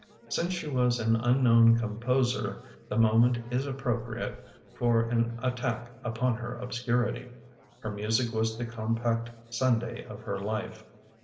Since she was an unknown composer the moment is appropriate for an attack U|>on her obscurity. Her music was the compact Kunduy of her life.